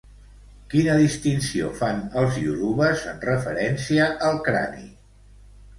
Quina distinció fan els iorubes en referència al crani?